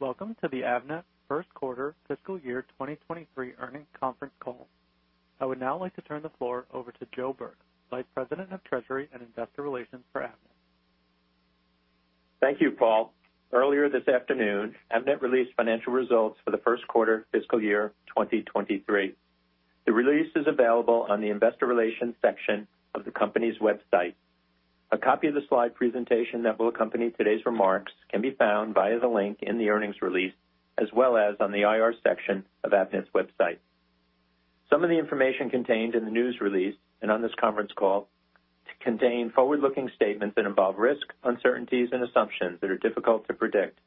Welcome to the Avnet First Quarter Fiscal Year 2023 Earnings Conference Call. I would now like to turn the floor over to Joe Burke, Vice President of Treasury and Investor Relations for Avnet. Thank you, Paul. Earlier this afternoon, Avnet released financial results for the first quarter fiscal year 2023. The release is available on the investor relations section of the company's website. A copy of the slide presentation that will accompany today's remarks can be found via the link in the earnings release, as well as on the IR section of Avnet's website. Some of the information contained in the news release and on this conference call contain forward-looking statements that involve risks, uncertainties, and assumptions that are difficult to predict.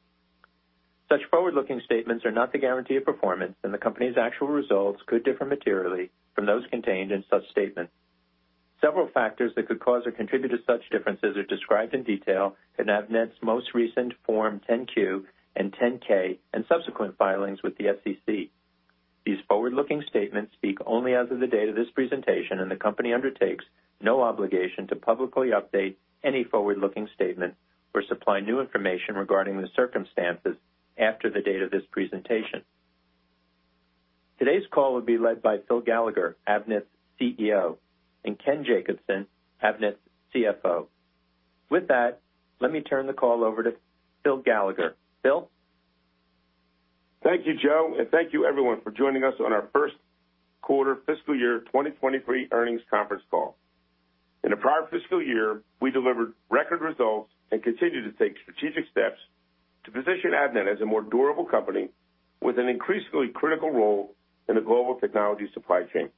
Such forward-looking statements are not the guarantee of performance, and the company's actual results could differ materially from those contained in such statements. Several factors that could cause or contribute to such differences are described in detail in Avnet's most recent Form 10-Q and 10-K and subsequent filings with the SEC. These forward-looking statements speak only as of the date of this presentation, and the company undertakes no obligation to publicly update any forward-looking statement or supply new information regarding the circumstances after the date of this presentation. Today's call will be led by Phil Gallagher, Avnet's CEO, and Ken Jacobson, Avnet's CFO. With that, let me turn the call over to Phil Gallagher. Phil. Thank you, Joe, and thank you everyone for joining us on our first quarter fiscal year 2023 earnings conference call. In the prior fiscal year, we delivered record results and continued to take strategic steps to position Avnet as a more durable company with an increasingly critical role in the global technology supply chain.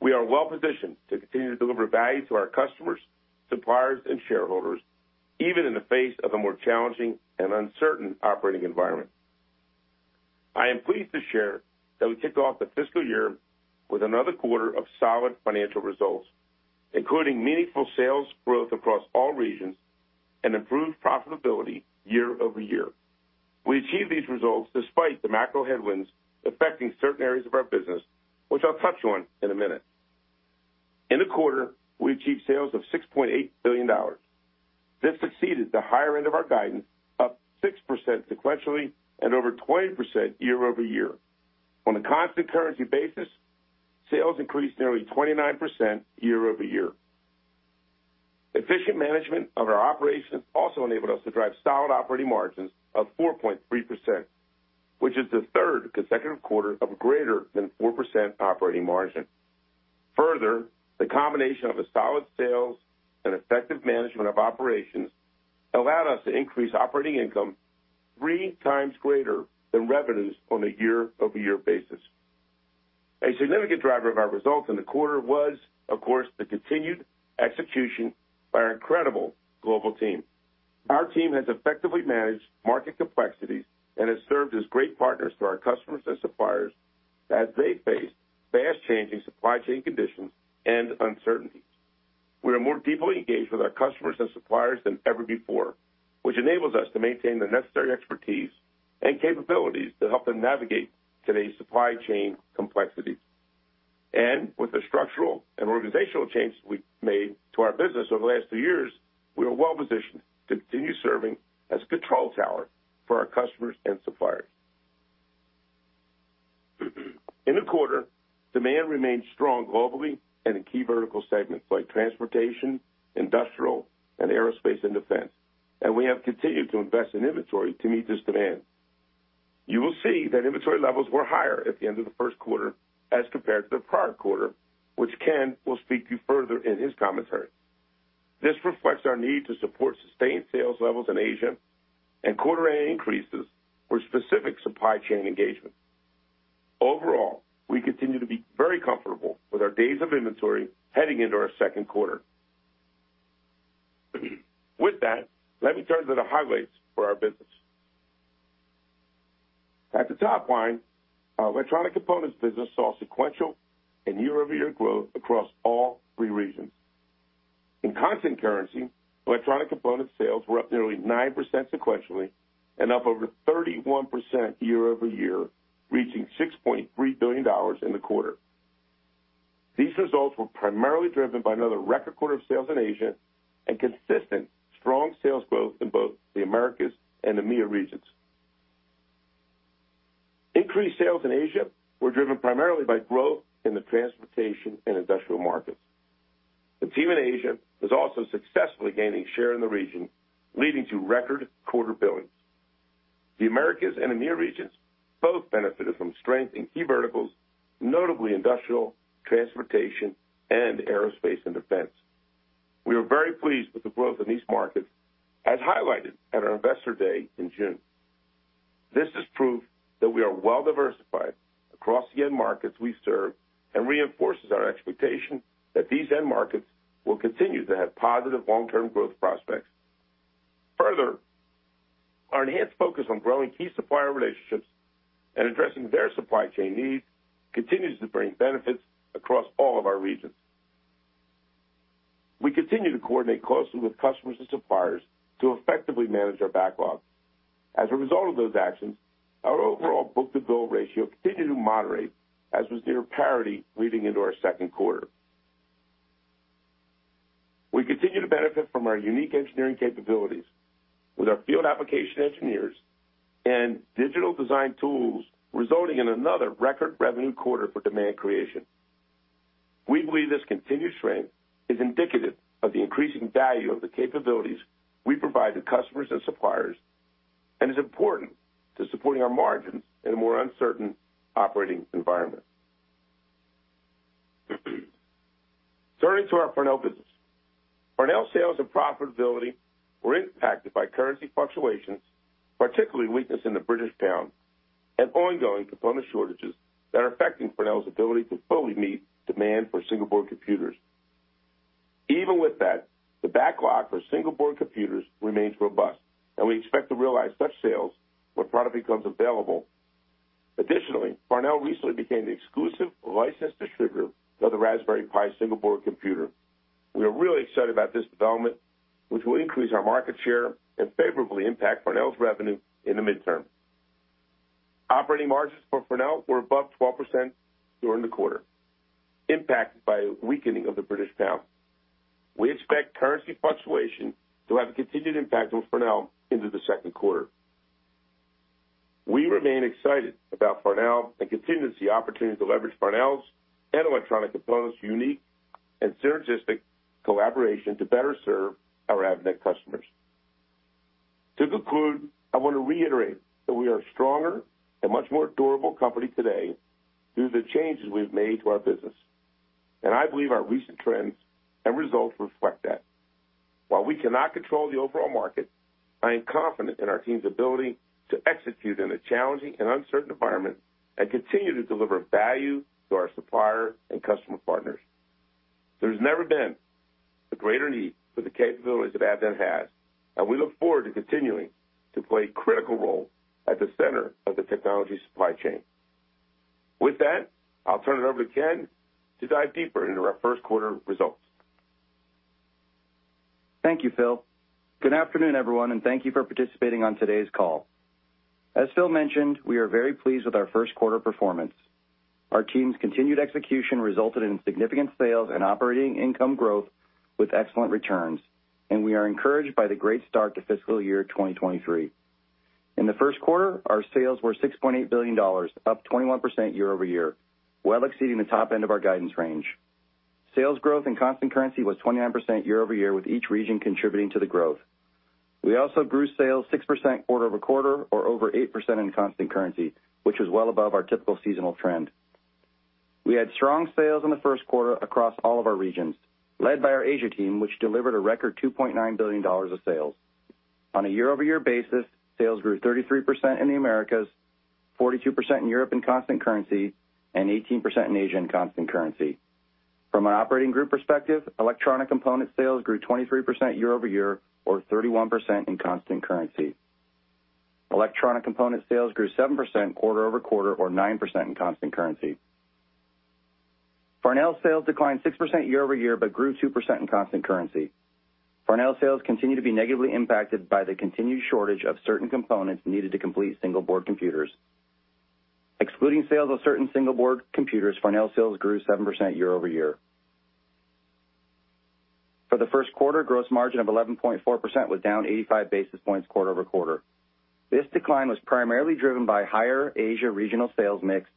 We are well positioned to continue to deliver value to our customers, suppliers, and shareholders, even in the face of a more challenging and uncertain operating environment. I am pleased to share that we kicked off the fiscal year with another quarter of solid financial results, including meaningful sales growth across all regions and improved profitability year-over-year. We achieved these results despite the macro headwinds affecting certain areas of our business, which I'll touch on in a minute. In the quarter, we achieved sales of $6.8 billion. This exceeded the higher end of our guidance, up 6% sequentially and over 20% year-over-year. On a constant currency basis, sales increased nearly 29% year-over-year. Efficient management of our operations also enabled us to drive solid operating margins of 4.3%, which is the third consecutive quarter of greater than 4% operating margin. Further, the combination of a solid sales and effective management of operations allowed us to increase operating income 3x greater than revenues on a year-over-year basis. A significant driver of our results in the quarter was, of course, the continued execution by our incredible global team. Our team has effectively managed market complexities and has served as great partners to our customers and suppliers as they face fast-changing supply chain conditions and uncertainties. We are more deeply engaged with our customers and suppliers than ever before, which enables us to maintain the necessary expertise and capabilities to help them navigate today's supply chain complexities. With the structural and organizational changes we've made to our business over the last two years, we are well positioned to continue serving as a control tower for our customers and suppliers. In the quarter, demand remained strong globally and in key vertical segments like transportation, industrial, and aerospace and defense, and we have continued to invest in inventory to meet this demand. You will see that inventory levels were higher at the end of the first quarter as compared to the prior quarter, which Ken will speak to you further in his commentary. This reflects our need to support sustained sales levels in Asia and quarter increases for specific supply chain engagement. Overall, we continue to be very comfortable with our days of inventory heading into our second quarter. With that, let me turn to the highlights for our business. At the top line, our electronic components business saw sequential and year-over-year growth across all three regions. In constant currency, electronic components sales were up nearly 9% sequentially and up over 31% year-over-year, reaching $6.3 billion in the quarter. These results were primarily driven by another record quarter of sales in Asia and consistent strong sales growth in both the Americas and EMEA regions. Increased sales in Asia were driven primarily by growth in the transportation and industrial markets. The team in Asia is also successfully gaining share in the region, leading to record quarter billings. The Americas and EMEA regions both benefited from strength in key verticals, notably industrial, transportation, and aerospace and defense. We are very pleased with the growth in these markets, as highlighted at our Investor Day in June. This is proof that we are well diversified across the end markets we serve and reinforces our expectation that these end markets will continue to have positive long-term growth prospects. Further, our enhanced focus on growing key supplier relationships and addressing their supply chain needs continues to bring benefits across all of our regions. We continue to coordinate closely with customers and suppliers to effectively manage our backlog. As a result of those actions, our overall book-to-bill ratio continued to moderate, as it was near parity leading into our second quarter. We continue to benefit from our unique engineering capabilities with our field application engineers and digital design tools, resulting in another record revenue quarter for demand creation. We believe this continued strength is indicative of the increasing value of the capabilities we provide to customers and suppliers, and is important to supporting our margins in a more uncertain operating environment. Turning to our Farnell business. Farnell sales and profitability were impacted by currency fluctuations, particularly weakness in the British pound, and ongoing component shortages that are affecting Farnell's ability to fully meet demand for single board computers. Even with that, the backlog for single board computers remains robust, and we expect to realize such sales when product becomes available. Additionally, Farnell recently became the exclusive licensed distributor of the Raspberry Pi single board computer. We are really excited about this development, which will increase our market share and favorably impact Farnell's revenue in the midterm. Operating margins for Farnell were above 12% during the quarter, impacted by a weakening of the British pound. We expect currency fluctuation to have a continued impact on Farnell into the second quarter. We remain excited about Farnell and continue to see opportunities to leverage Farnell's and Avnet's electronic components unique and synergistic collaboration to better serve our Avnet customers. To conclude, I want to reiterate that we are a stronger and much more durable company today due to the changes we've made to our business, and I believe our recent trends and results reflect that. While we cannot control the overall market, I am confident in our team's ability to execute in a challenging and uncertain environment and continue to deliver value to our supplier and customer partners. There's never been a greater need for the capabilities that Avnet has, and we look forward to continuing to play a critical role at the center of the technology supply chain. With that, I'll turn it over to Ken to dive deeper into our first quarter results. Thank you, Phil. Good afternoon, everyone, and thank you for participating on today's call. As Phil mentioned, we are very pleased with our first quarter performance. Our team's continued execution resulted in significant sales and operating income growth with excellent returns, and we are encouraged by the great start to fiscal year 2023. In the first quarter, our sales were $6.8 billion, up 21% year-over-year, well exceeding the top end of our guidance range. Sales growth in constant currency was 29% year-over-year, with each region contributing to the growth. We also grew sales 6% quarter-over-quarter or over 8% in constant currency, which was well above our typical seasonal trend. We had strong sales in the first quarter across all of our regions, led by our Asia team, which delivered a record $2.9 billion of sales. On a year-over-year basis, sales grew 33% in the Americas, 42% in Europe in constant currency, and 18% in Asia in constant currency. From an operating group perspective, electronic component sales grew 23% year-over-year or 31% in constant currency. Electronic component sales grew 7% quarter-over-quarter or 9% in constant currency. Farnell sales declined 6% year-over-year, but grew 2% in constant currency. Farnell sales continue to be negatively impacted by the continued shortage of certain components needed to complete single board computers. Excluding sales of certain single board computers, Farnell sales grew 7% year-over-year. For the first quarter, gross margin of 11.4% was down 85 basis points quarter-over-quarter. This decline was primarily driven by higher Asia regional sales mix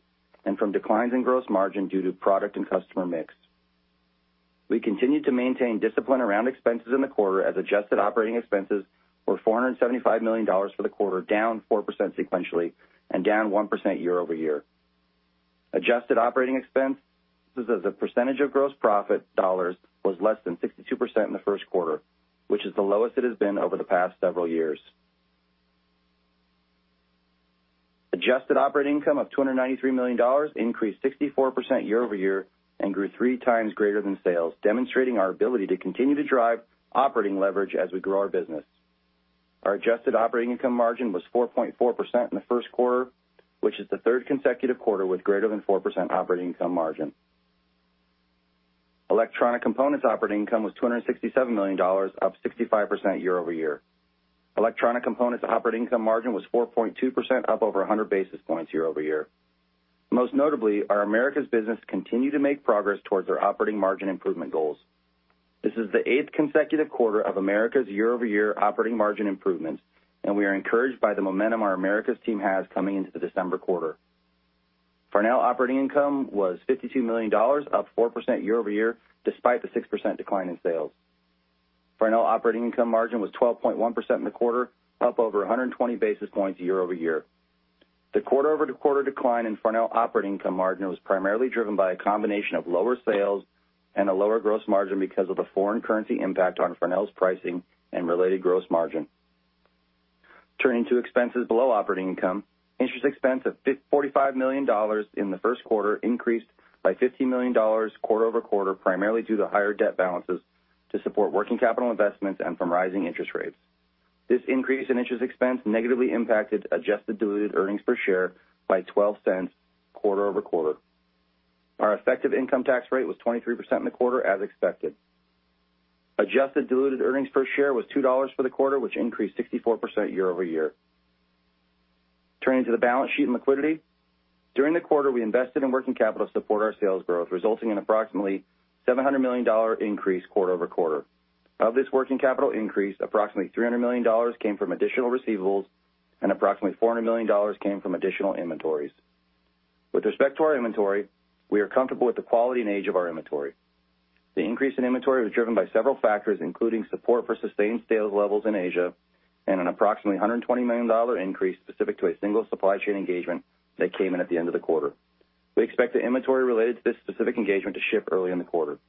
and from declines in gross margin due to product and customer mix. We continued to maintain discipline around expenses in the quarter as adjusted operating expenses were $475 million for the quarter, down 4% sequentially and down 1% year-over-year. Adjusted operating expense as a percentage of gross profit dollars was less than 62% in the first quarter, which is the lowest it has been over the past several years. Adjusted operating income of $293 million increased 64% year-over-year and grew three times greater than sales, demonstrating our ability to continue to drive operating leverage as we grow our business. Our adjusted operating income margin was 4.4% in the first quarter, which is the third consecutive quarter with greater than 4% operating income margin. Electronic components operating income was $267 million, up 65% year-over-year. Electronic components operating income margin was 4.2%, up over 100 basis points year-over-year. Most notably, our America's business continued to make progress towards their operating margin improvement goals. This is the eighth consecutive quarter of America's year-over-year operating margin improvements, and we are encouraged by the momentum our America's team has coming into the December quarter. Farnell operating income was $52 million, up 4% year-over-year, despite the 6% decline in sales. Farnell operating income margin was 12.1% in the quarter, up over 120 basis points year-over-year. The quarter-over-quarter decline in Farnell operating income margin was primarily driven by a combination of lower sales and a lower gross margin because of the foreign currency impact on Farnell's pricing and related gross margin. Turning to expenses below operating income. Interest expense of $45 million in the first quarter increased by $50 million quarter-over-quarter, primarily due to higher debt balances to support working capital investments and from rising interest rates. This increase in interest expense negatively impacted adjusted diluted earnings per share by $0.12 quarter-over-quarter. Our effective income tax rate was 23% in the quarter as expected. Adjusted diluted earnings per share was $2 for the quarter, which increased 64% year-over-year. Turning to the balance sheet and liquidity. During the quarter, we invested in working capital to support our sales growth, resulting in approximately $700 million increase quarter-over-quarter. Of this working capital increase, approximately $300 million came from additional receivables and approximately $400 million came from additional inventories. With respect to our inventory, we are comfortable with the quality and age of our inventory. The increase in inventory was driven by several factors, including support for sustained sales levels in Asia and an approximately $120 million increase specific to a single supply chain engagement that came in at the end of the quarter. We expect the inventory related to this specific engagement to ship early in the quarter.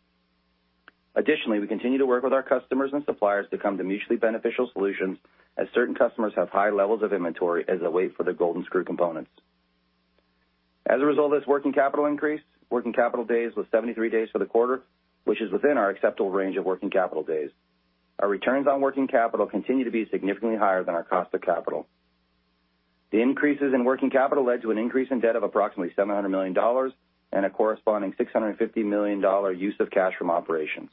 Additionally, we continue to work with our customers and suppliers to come to mutually beneficial solutions as certain customers have high levels of inventory as they wait for their golden screw components. As a result of this working capital increase, working capital days was 73 days for the quarter, which is within our acceptable range of working capital days. Our returns on working capital continue to be significantly higher than our cost of capital. The increases in working capital led to an increase in debt of approximately $700 million and a corresponding $650 million dollar use of cash from operations.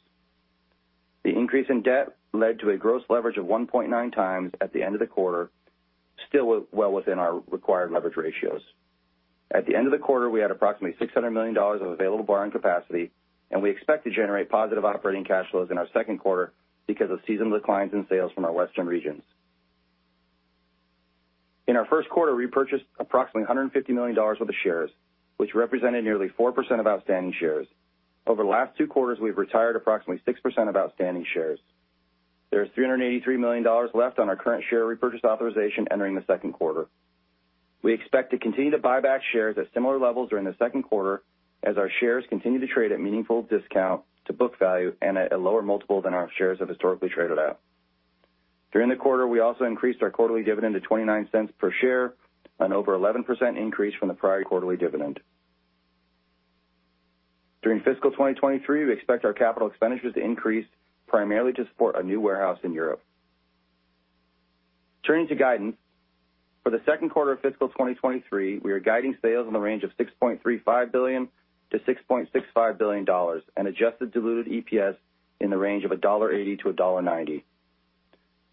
The increase in debt led to a gross leverage of 1.9x at the end of the quarter, still well within our required leverage ratios. At the end of the quarter, we had approximately $600 million of available borrowing capacity, and we expect to generate positive operating cash flows in our second quarter because of seasonal declines in sales from our Western regions. In our first quarter, we purchased approximately $150 million worth of shares, which represented nearly 4% of outstanding shares. Over the last two quarters, we've retired approximately 6% of outstanding shares. There is $383 million left on our current share repurchase authorization entering the second quarter. We expect to continue to buy back shares at similar levels during the second quarter as our shares continue to trade at meaningful discount to book value and at a lower multiple than our shares have historically traded at. During the quarter, we also increased our quarterly dividend to $0.29 per share, an over 11% increase from the prior quarterly dividend. During fiscal 2023, we expect our capital expenditures to increase primarily to support a new warehouse in Europe. Turning to guidance. For the second quarter of fiscal 2023, we are guiding sales in the range of $6.35 billion-$6.65 billion, and adjusted diluted EPS in the range of $1.80-$1.90.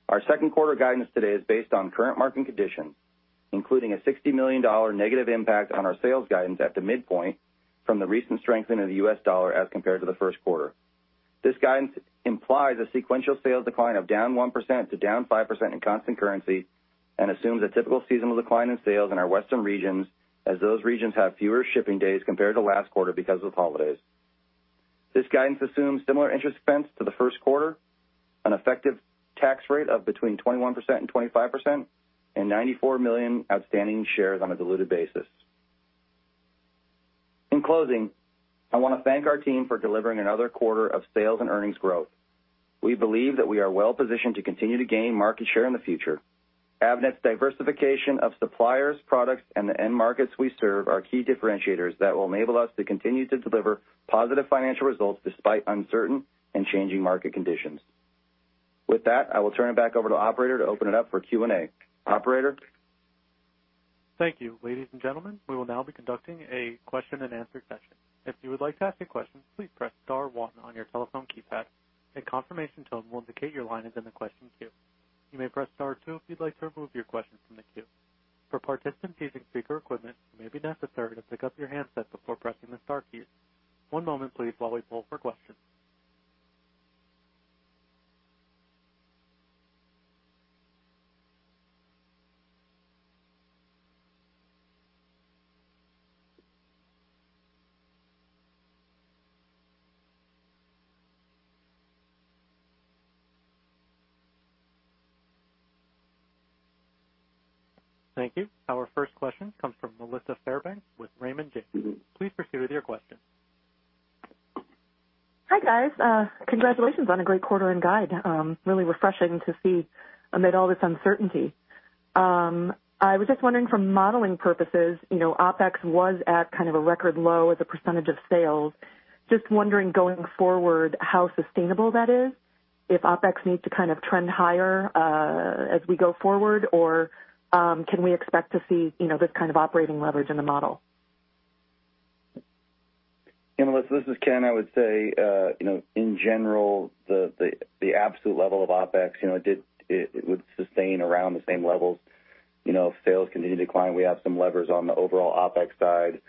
Our second quarter guidance today is based on current market conditions, including a $60 million negative impact on our sales guidance at the midpoint from the recent strengthening of the U.S. dollar as compared to the first quarter. This guidance implies a sequential sales decline of down 1% to down 5% in constant currency and assumes a typical seasonal decline in sales in our Western regions as those regions have fewer shipping days compared to last quarter because of holidays. This guidance assumes similar interest expense to the first quarter, an effective tax rate of between 21% and 25%, and 94 million outstanding shares on a diluted basis. In closing, I want to thank our team for delivering another quarter of sales and earnings growth. We believe that we are well positioned to continue to gain market share in the future. Avnet's diversification of suppliers, products, and the end markets we serve are key differentiators that will enable us to continue to deliver positive financial results despite uncertain and changing market conditions. With that, I will turn it back over to the operator to open it up for Q&A. Operator? Thank you. Ladies and gentlemen, we will now be conducting a question-and-answer session. If you would like to ask a question, please press star one on your telephone keypad. A confirmation tone will indicate your line is in the question queue. You may press star two if you'd like to remove your question from the queue. For participants using speaker equipment, it may be necessary to pick up your handset before pressing the star key. One moment, please, while we poll for questions. Thank you. Our first question comes from Melissa Fairbanks with Raymond James. Please proceed with your question. Hi, guys. Congratulations on a great quarter and guide. Really refreshing to see amid all this uncertainty. I was just wondering from modeling purposes, you know, OpEx was at kind of a record low as a percentage of sales. Just wondering going forward how sustainable that is, if OpEx needs to kind of trend higher, as we go forward, or can we expect to see, you know, this kind of operating leverage in the model? Yeah, Melissa, this is Ken. I would say, you know, in general, the absolute level of OpEx, you know, would sustain around the same levels. You know, if sales continue to decline, we have some levers on the overall OpEx side,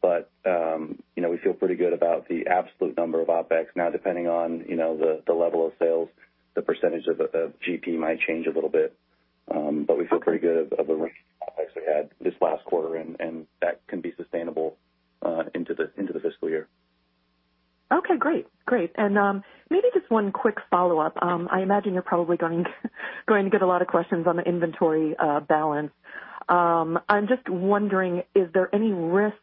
but, you know, we feel pretty good about the absolute number of OpEx. Now, depending on, you know, the level of sales, the percentage of GP might change a little bit. But we feel pretty good about the range of OpEx we had this last quarter, and that can be sustainable into the fiscal year. Okay, great. Great. Maybe just one quick follow-up. I imagine you're probably going to get a lot of questions on the inventory balance. I'm just wondering, is there any risk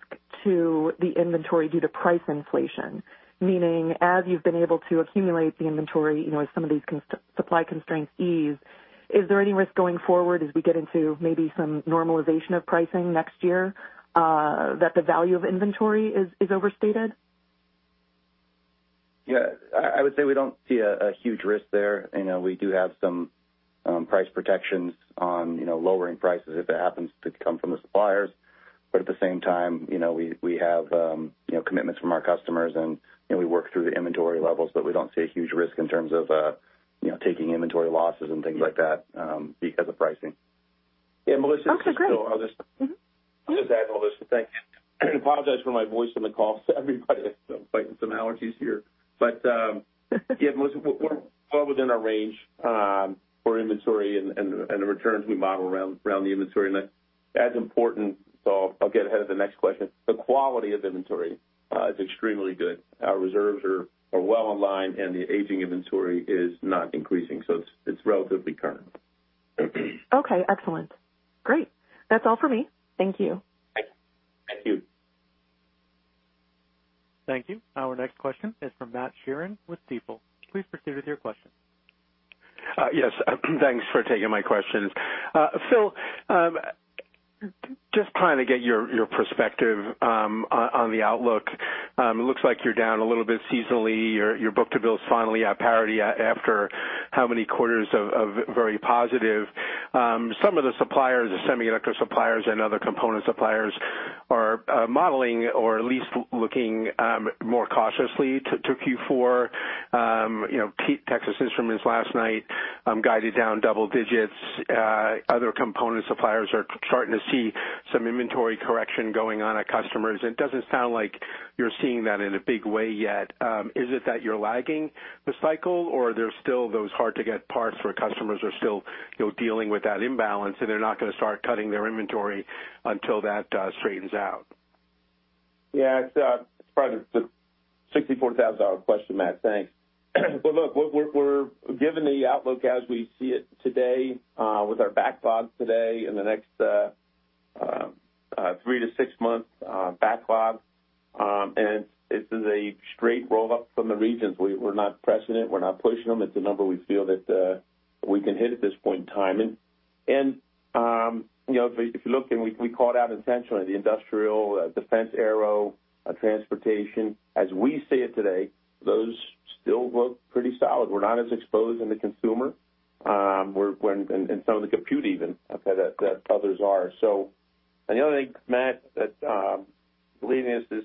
to the inventory due to price inflation? Meaning, as you've been able to accumulate the inventory, you know, as some of these supply constraints ease, is there any risk going forward as we get into maybe some normalization of pricing next year, that the value of inventory is overstated? Yeah. I would say we don't see a huge risk there. You know, we do have some price protections on lowering prices if it happens to come from the suppliers. At the same time, you know, we have commitments from our customers, and we work through the inventory levels, but we don't see a huge risk in terms of taking inventory losses and things like that because of pricing. Yeah, Melissa. Okay, great. I'll just-- Mm-hmm. Just add, Melissa, thanks. Apologize for my voice on the call. Everybody, I'm fighting some allergies here. Yeah, Melissa, we're well within our range for inventory and the returns we model around the inventory. As important, I'll get ahead of the next question. The quality of inventory is extremely good. Our reserves are well in line, and the aging inventory is not increasing, so it's relatively current. Okay, excellent. Great. That's all for me. Thank you. Thank you. Thank you. Our next question is from Matthew Sheerin with Stifel. Please proceed with your question. Yes. Thanks for taking my questions. Phil, just trying to get your perspective on the outlook. It looks like you're down a little bit seasonally. Your book-to-bill is finally at parity after how many quarters of very positive. Some of the suppliers, the semiconductor suppliers and other component suppliers are modeling or at least looking more cautiously to Q4. You know, Texas Instruments last night guided down double digits. Other component suppliers are starting to see some inventory correction going on at customers. It doesn't sound like you're seeing that in a big way yet. Is it that you're lagging the cycle or there's still those hard to get parts where customers are still, you know, dealing with that imbalance, and they're not gonna start cutting their inventory until that straightens out? Yeah, it's probably the $64,000 question, Matt. Thanks. Well, look, we're given the outlook as we see it today with our backlogs today in the next 3-6 months backlog and this is a straight roll-up from the regions. We're not pressing it. We're not pushing them. It's a number we feel that we can hit at this point in time. You know, and we call it out intentionally, the industrial, defense aero, transportation, as we see it today, those still look pretty solid. We're not as exposed in the consumer and some of the compute even okay, that others are. Another thing, Matt, that leading is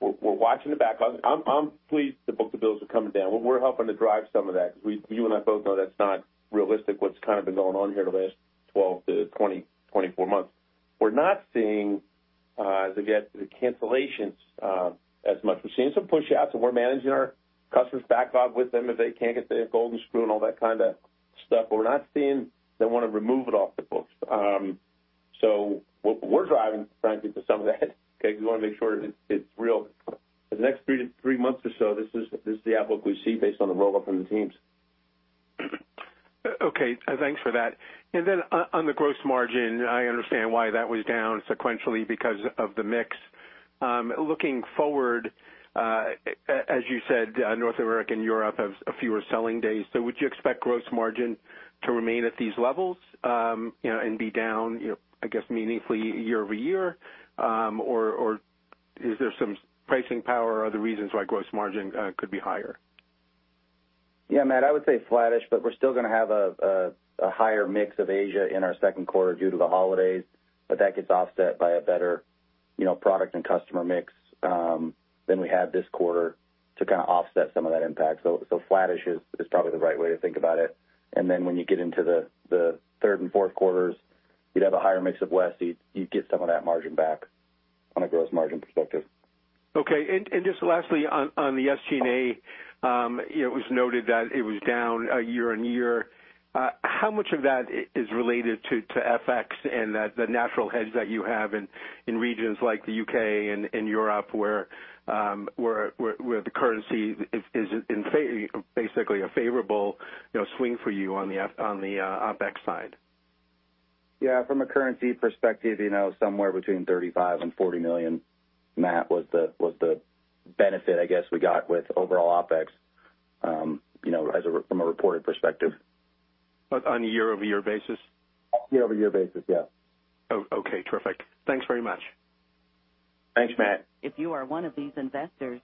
we're watching the backlog. I'm pleased the book-to-bills are coming down. We're helping to drive some of that because you and I both know that's not realistic, what's kind of been going on here the last 12 to 20-24 months. We're not seeing, as I get to the cancellations, as much. We're seeing some pushouts, and we're managing our customers' backlog with them if they can't get the golden screw and all that kind of stuff. We're not seeing they wanna remove it off the books. We're driving, frankly, to some of that because we wanna make sure it's real. For the next three months or so, this is the outlook we see based on the roll-up from the teams. Okay, thanks for that. On the gross margin, I understand why that was down sequentially because of the mix. Looking forward, as you said, North America and Europe have fewer selling days. Would you expect gross margin to remain at these levels, you know, and be down, you know, I guess meaningfully year over year? Or is there some pricing power or other reasons why gross margin could be higher? Yeah, Matt, I would say flattish, but we're still gonna have a higher mix of Asia in our second quarter due to the holidays, but that gets offset by a better, you know, product and customer mix than we had this quarter to kind of offset some of that impact. Flattish is probably the right way to think about it. When you get into the third and fourth quarters, you'd have a higher mix of West. You'd get some of that margin back on a gross margin perspective. Okay. Just lastly on the SG&A, it was noted that it was down year-over-year. How much of that is related to FX and the natural hedge that you have in regions like the U.K. and Europe, where the currency is basically a favorable, you know, swing for you on the OpEx side? Yeah, from a currency perspective, you know, somewhere between $35 million and $40 million, Matt, was the benefit, I guess, we got with overall OpEx, you know, from a reported perspective. On a year-over-year basis? year-over-year basis, yeah. Oh, okay. Terrific. Thanks very much. Thanks, Matt. If you are one of these investors.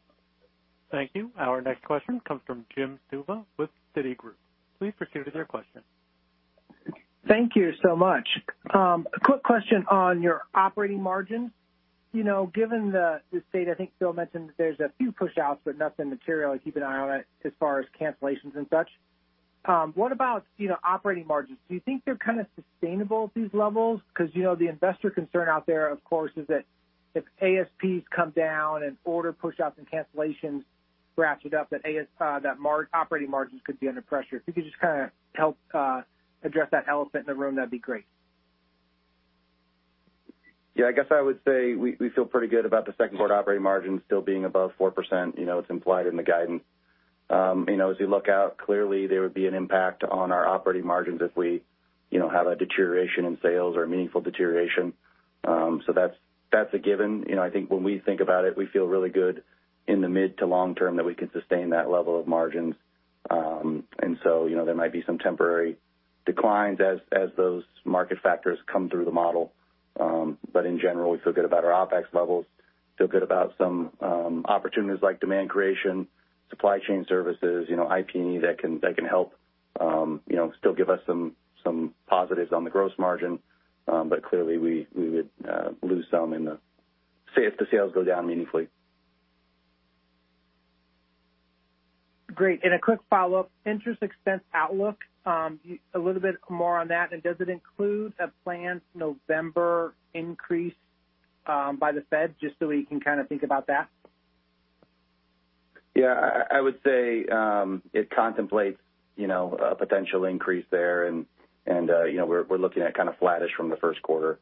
Thank you. Our next question comes from Jim Suva with Citigroup. Please proceed with your question. Thank you so much. A quick question on your operating margin. You know, given the state, I think Phil mentioned that there's a few pushouts, but nothing material to keep an eye on it as far as cancellations and such. What about, you know, operating margins? Do you think they're kind of sustainable at these levels? Because, you know, the investor concern out there, of course, is that if ASPs come down and order pushouts and cancellations ratchet up, that operating margins could be under pressure. If you could just kinda help address that elephant in the room, that'd be great. Yeah, I guess I would say we feel pretty good about the second quarter operating margin still being above 4%. You know, it's implied in the guidance. You know, as you look out, clearly there would be an impact on our operating margins if we, you know, have a deterioration in sales or a meaningful deterioration. So that's a given. You know, I think when we think about it, we feel really good in the mid to long term that we could sustain that level of margins. You know, there might be some temporary declines as those market factors come through the model. In general, we feel good about our OpEx levels. Feel good about some opportunities like demand creation, supply chain services, you know, IP that can help, you know, still give us some positives on the gross margin. Clearly we would lose some in the SG&A if the sales go down meaningfully. Great. A quick follow-up. Interest expense outlook, a little bit more on that. Does it include a planned November increase, by the Fed, just so we can kinda think about that? Yeah, I would say it contemplates, you know, a potential increase there, and you know, we're looking at kinda flattish from the first quarter.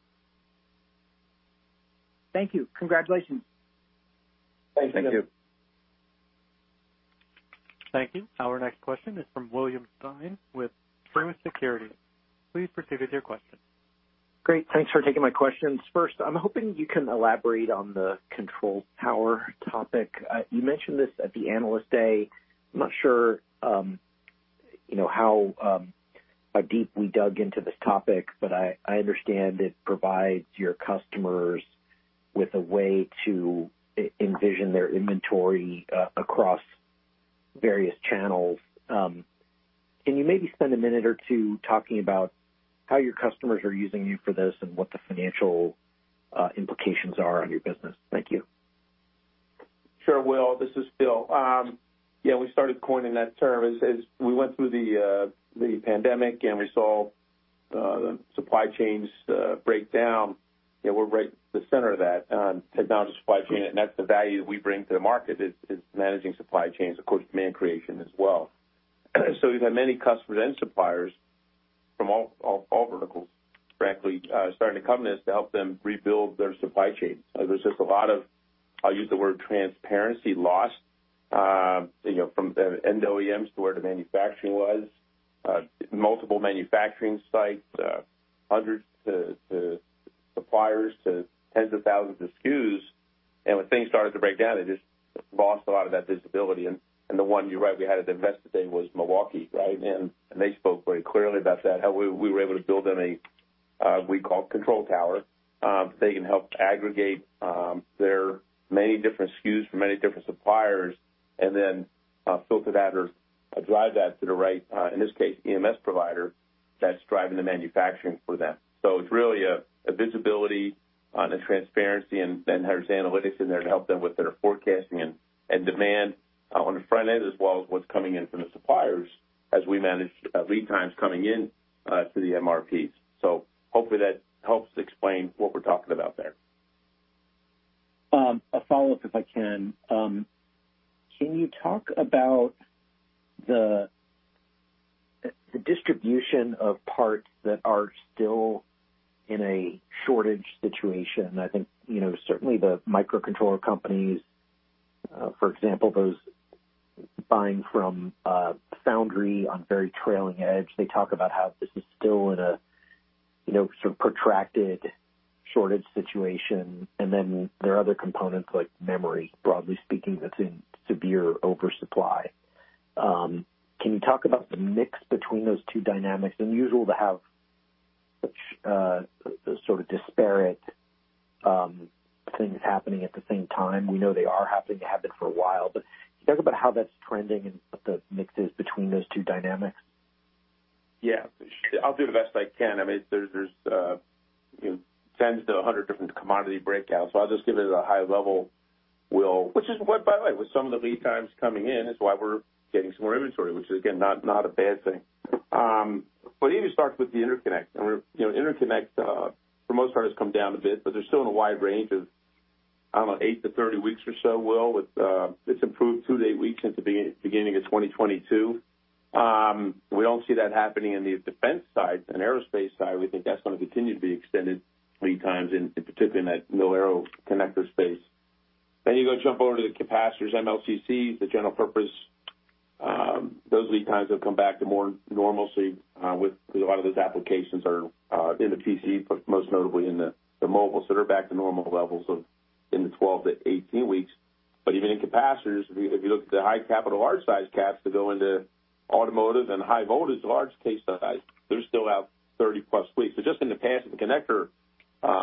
Thank you. Congratulations. Thanks. Thank you. Thank you. Our next question is from William Stein with Truist Securities. Please proceed with your question. Great. Thanks for taking my questions. First, I'm hoping you can elaborate on the control tower topic. You mentioned this at the Analyst Day. I'm not sure, you know, how deep we dug into this topic, but I understand it provides your customers with a way to envision their inventory across various channels. Can you maybe spend a minute or two talking about how your customers are using you for this and what the financial implications are on your business? Thank you. Sure, William, this is Phil Gallagher. Yeah, we started coining that term as we went through the pandemic and we saw the supply chains break down. You know, we're right in the center of that technology supply chain, and that's the value that we bring to the market is managing supply chains, of course, demand creation as well. We've had many customers and suppliers from all verticals, frankly, starting to come to us to help them rebuild their supply chain. There's just a lot of, I'll use the word transparency lost, you know, from the end OEMs to where the manufacturing was, multiple manufacturing sites, hundreds to suppliers to tens of thousands of SKUs. When things started to break down, they just lost a lot of that visibility. The one you're right we had at Investor Day was Milwaukee Tool, right? They spoke very clearly about that, how we were able to build them what we call a control tower that they can help aggregate their many different SKUs from many different suppliers and then filter that or drive that to the right, in this case, EMS provider that's driving the manufacturing for them. It's really a visibility and a transparency, and there's analytics in there to help them with their forecasting and demand on the front end as well as what's coming in from the suppliers as we manage lead times coming in to the MRPs. Hopefully that helps explain what we're talking about there. A follow-up, if I can. Can you talk about the distribution of parts that are still in a shortage situation? I think, you know, certainly the microcontroller companies, for example, those buying from foundry on very trailing edge, they talk about how this is still in a, you know, sort of protracted shortage situation. There are other components like memory, broadly speaking, that's in severe oversupply. Can you talk about the mix between those two dynamics? Unusual to have such sort of disparate things happening at the same time. We know they are happening. They have been for a while, but can you talk about how that's trending and what the mix is between those two dynamics? Yeah. I'll do the best I can. I mean, there's you know, tens to a hundred different commodity breakouts, so I'll just give it a high level, Will, which is what, by the way, with some of the lead times coming in is why we're getting some more inventory, which is again not a bad thing. It even starts with the interconnect, and we're you know, interconnect for most part has come down a bit, but they're still in a wide range of, I don't know, 8-30 weeks or so, Will, with it's improved 2-8 weeks since the beginning of 2022. We don't see that happening in the defense side and aerospace side. We think that's gonna continue to be extended lead times in particular in that mil-aero connector space. You go jump over to the capacitors, MLCC, the general purpose, those lead times have come back to more normalcy, with a lot of those applications are in the PC, but most notably in the mobile. So they're back to normal levels of in the 12-18 weeks. But even in capacitors, if you look at the high-cap, large size caps that go into automotive and high voltage, large case size, they're still out 30+ weeks. So just in the passives and connectors,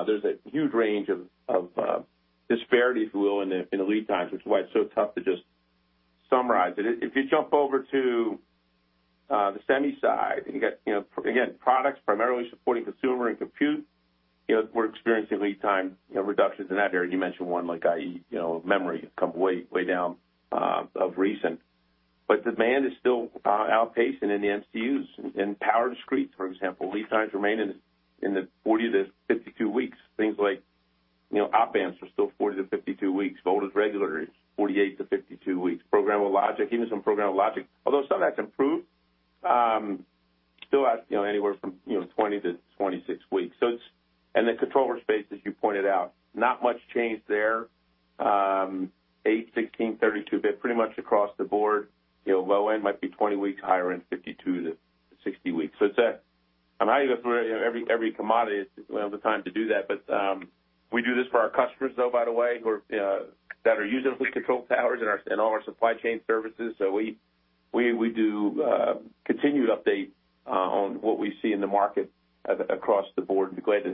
there's a huge range of disparity, if you will, in the lead times, which is why it's so tough to just summarize it. If you jump over to the semi side and you got, you know, again, products primarily supporting consumer and compute, you know, we're experiencing lead time, you know, reductions in that area. You mentioned one like IE, you know, memory come way down of recent. But demand is still out pacing in the MCUs. In power discrete, for example, lead times remain in the 40-52 weeks. Things like, you know, op amps are still 40-52 weeks. Voltage regulators, 48-52 weeks. Programmable logic, even some programmable logic, although some of that's improved, still at, you know, anywhere from, you know, 20-26 weeks. So it's the controller space, as you pointed out, not much change there. 8, 16, 32-bit pretty much across the board. You know, low end might be 20 weeks, higher end, 52-60 weeks. I'm not even through every commodity. I don't have the time to do that, but we do this for our customers, though, by the way, who are using those control towers and all our supply chain services. We do continue to update on what we see in the market across the board. Be glad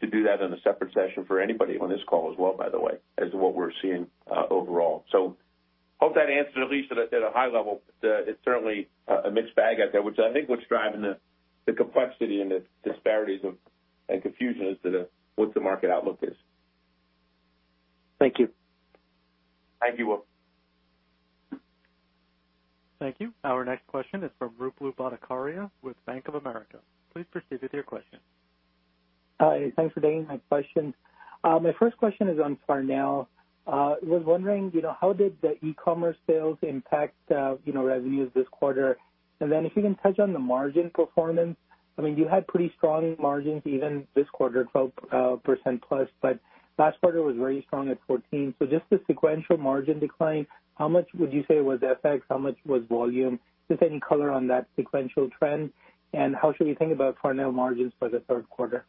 to do that in a separate session for anybody on this call as well, by the way, as to what we're seeing overall. Hope that answered at least at a high level. It's certainly a mixed bag out there, which I think what's driving the complexity and the disparities of, and confusion as to what the market outlook is. Thank you. Thank you, Will. Thank you. Our next question is from Ruplu Bhattacharya with Bank of America. Please proceed with your question. Hi. Thanks for taking my question. My first question is on Farnell. Was wondering, you know, how did the e-commerce sales impact, you know, revenues this quarter? If you can touch on the margin performance. I mean, you had pretty strong margins even this quarter, 12% plus, but last quarter was very strong at 14%. Just the sequential margin decline, how much would you say was FX, how much was volume? Just any color on that sequential trend, and how should we think about Farnell margins for the third quarter?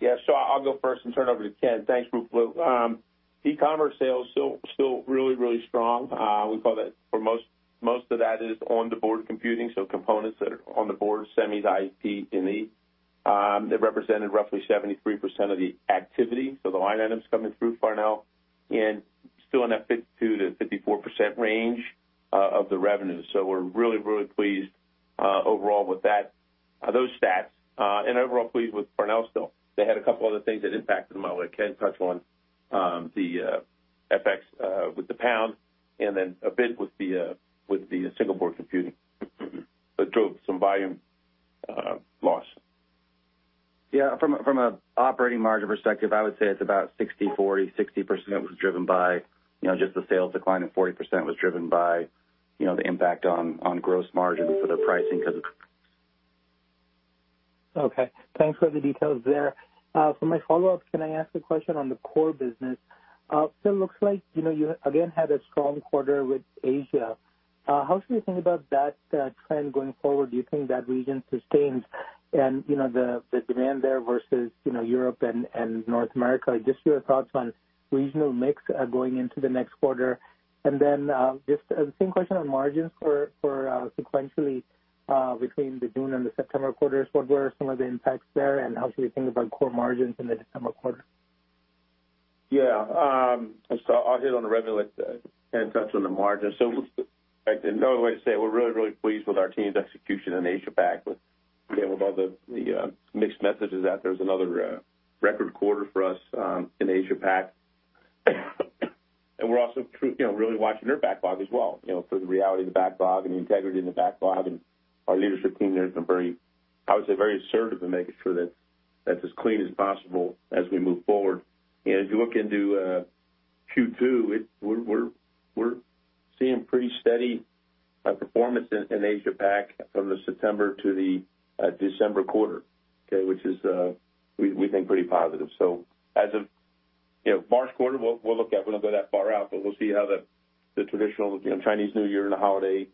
Yeah, I'll go first and turn it over to Ken. Thanks, Ruplu. E-commerce sales still really strong. We call that for most of that is on-board computing, so components that are on the board, semis, IP&E. It represented roughly 73% of the activity, so the line items coming through Farnell and still in that 52%-54% range of the revenue. We're really pleased overall with that, those stats, and overall pleased with Farnell still. They had a couple other things that impacted them. I'll let Ken touch on the FX with the pound and then a bit with the single-board computing that drove some volume loss. Yeah. From a operating margin perspective, I would say it's about 60/40. 60% was driven by, you know, just the sales decline, and 40% was driven by, you know, the impact on gross margin for the pricing because of. Okay. Thanks for the details there. For my follow-up, can I ask a question on the core business? Phil, looks like, you know, you again had a strong quarter with Asia. How should we think about that trend going forward? Do you think that region sustains and, you know, the demand there versus, you know, Europe and North America? Just your thoughts on regional mix going into the next quarter. Just same question on margins for sequentially between the June and the September quarters. What were some of the impacts there, and how should we think about core margins in the December quarter? Yeah, I'll hit on the revenue, let Ken touch on the margins. Another way to say it, we're really pleased with our team's execution in Asia Pac. With you know, with all the mixed messages out there, it was another record quarter for us in Asia Pac. We're also you know, really watching their backlog as well. You know, for the reality of the backlog and the integrity in the backlog and our leadership team there has been very, I would say, very assertive in making sure that that's as clean as possible as we move forward. As you look into Q2, we're seeing pretty steady performance in Asia Pac from the September to the December quarter, okay, which we think pretty positive. As of, you know, March quarter, we'll look at, we don't go that far out, but we'll see how the traditional, you know, Chinese New Year and the holiday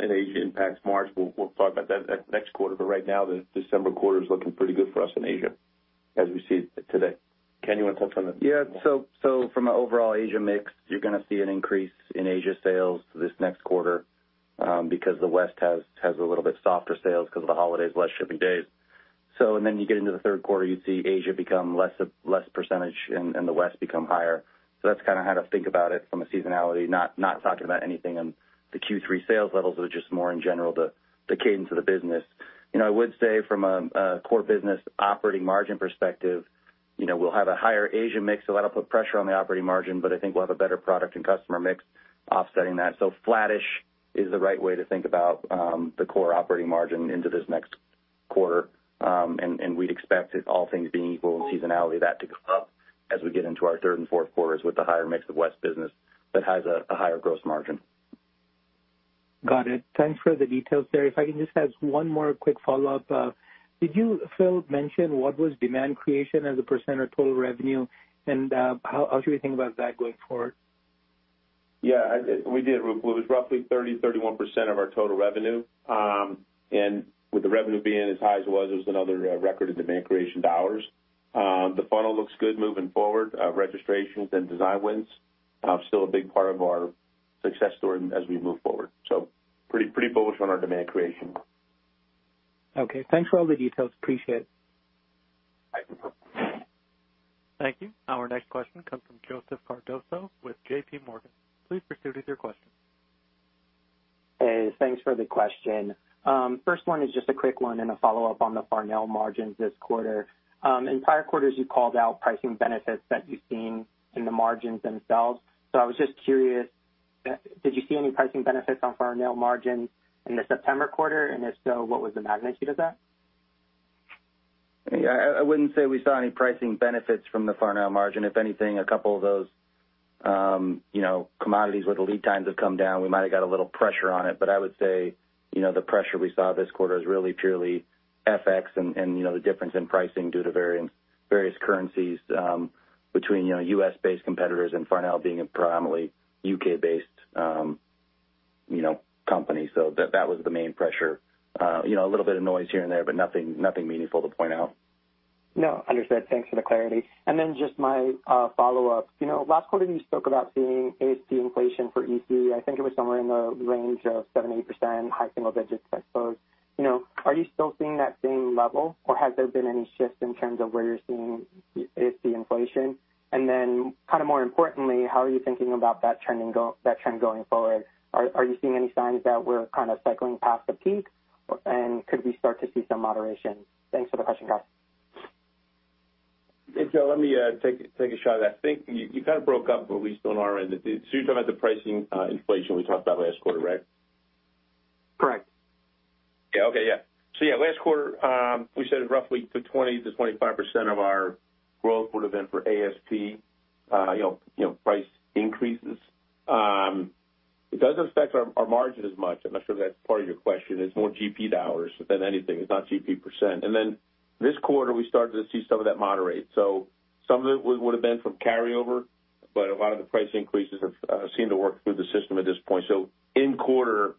in Asia impacts March. We'll talk about that next quarter, but right now the December quarter is looking pretty good for us in Asia as we see it today. Ken, you wanna touch on that more? Yeah. From an overall Asia mix, you're gonna see an increase in Asia sales this next quarter, because the West has a little bit softer sales because of the holidays, less shipping days. Then you get into the third quarter, you see Asia become less of, less percentage and the West become higher. That's kind of how to think about it from a seasonality, not talking about anything on the Q3 sales levels, but just more in general the cadence of the business. You know, I would say from a core business operating margin perspective, you know, we'll have a higher Asia mix, so that'll put pressure on the operating margin, but I think we'll have a better product and customer mix offsetting that. Flattish is the right way to think about the core operating margin into this next quarter. We'd expect it all things being equal in seasonality that to go up as we get into our third and fourth quarters with the higher mix of West business that has a higher gross margin. Got it. Thanks for the details there. If I can just ask one more quick follow-up. Did you, Phil, mention what was demand creation as a % of total revenue, and how should we think about that going forward? Yeah. We did, Ruplu. It was roughly 30%-31% of our total revenue. With the revenue being as high as it was, it was another record in demand creation dollars. The funnel looks good moving forward. Registrations and design wins still a big part of our success story as we move forward. Pretty bullish on our demand creation. Okay. Thanks for all the details. Appreciate it. Thank you. Thank you. Our next question comes from Joe Quatrochi with J.P. Morgan. Please proceed with your question. Hey, thanks for the question. First one is just a quick one and a follow-up on the Farnell margins this quarter. In prior quarters, you called out pricing benefits that you've seen in the margins themselves. I was just curious, did you see any pricing benefits on Farnell margins in the September quarter? If so, what was the magnitude of that? Yeah. I wouldn't say we saw any pricing benefits from the Farnell margin. If anything, a couple of those, you know, commodities where the lead times have come down, we might have got a little pressure on it. I would say, you know, the pressure we saw this quarter is really purely FX and, you know, the difference in pricing due to various currencies, between, you know, U.S.-based competitors and Farnell being a predominantly U.K.-based, you know, company. That was the main pressure. You know, a little bit of noise here and there, but nothing meaningful to point out. No, understood. Thanks for the clarity. Just my follow-up. You know, last quarter, you spoke about seeing ASP inflation for EC. I think it was somewhere in the range of 7-8%, high single digits, I suppose. You know, are you still seeing that same level, or has there been any shift in terms of where you're seeing ASP inflation? And then kind of more importantly, how are you thinking about that trend going forward? Are you seeing any signs that we're kind of cycling past the peak? And could we start to see some moderation? Thanks for the question, guys. Hey, Joe, let me take a shot at that. I think you kind of broke up, at least on our end. You're talking about the pricing inflation we talked about last quarter, right? Correct. Yeah, okay, yeah. Last quarter, we said roughly 20%-25% of our growth would have been for ASP, you know, price increases. It doesn't affect our margin as much. I'm not sure if that's part of your question. It's more GP dollars than anything. It's not GP percent. This quarter, we started to see some of that moderate. Some of it would've been from carryover, but a lot of the price increases have seemed to work through the system at this point. In quarter,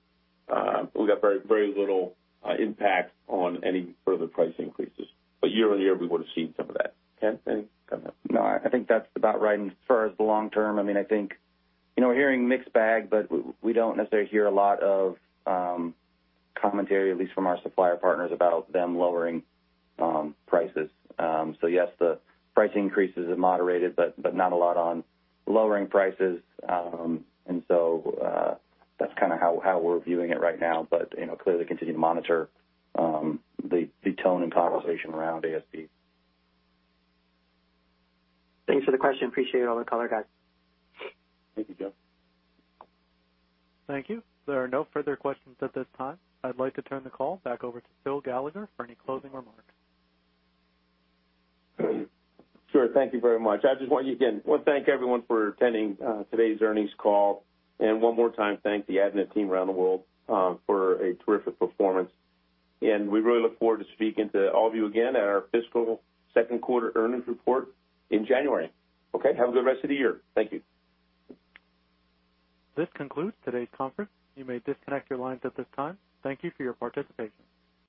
we got very, very little impact on any further price increases. Year-on-year, we would've seen some of that. Ken, anything to come up? No, I think that's about right. As far as the long term, I mean, I think, you know, we're hearing mixed bag, but we don't necessarily hear a lot of commentary, at least from our supplier partners about them lowering prices. Yes, the price increases have moderated, but not a lot on lowering prices. That's kinda how we're viewing it right now. You know, clearly continue to monitor the tone and conversation around ASP. Thanks for the question. Appreciate all the color, guys. Thank you, Joe. Thank you. There are no further questions at this time. I'd like to turn the call back over to Phil Gallagher for any closing remarks. Sure. Thank you very much. I just want to thank everyone for attending today's earnings call. One more time thank the Avnet team around the world for a terrific performance. We really look forward to speaking to all of you again at our fiscal second quarter earnings report in January. Okay, have a good rest of the year. Thank you. This concludes today's conference. You may disconnect your lines at this time. Thank you for your participation.